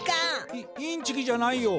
イインチキじゃないよ。